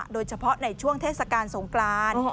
โดยเฉพาะในช่วงเทศกาลสงกราน